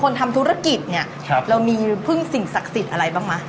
คนทำธุรกิจเรามีพรึ่งสิ่งศักดิ์สิทธิ์อะไรบ้างมั้ย